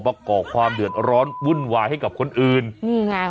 ก่อความเดือดร้อนวุ่นวายให้กับคนอื่นนี่ไง